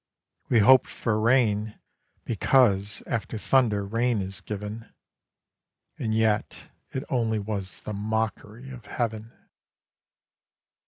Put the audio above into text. We hoped for rain because After thunder rain is given; And yet it only was The mockery of heaven.